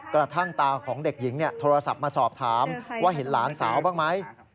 กระทั่งตาของเด็กหญิงโทรศัพท์มาสอบถามว่าเห็นหลานสาวบ้างไหม